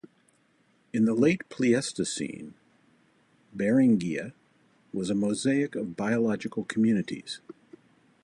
In the Late Pleistocene, Beringia was a mosaic of biological communities.